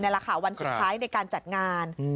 ในราคาวันสุดท้ายในการจัดงาน